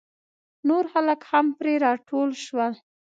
نور خلک هم پرې راټول شول.